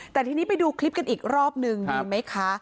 แต่ทีนี้ไปดูคลิปกันอีกรอบนึงดีไหมคะ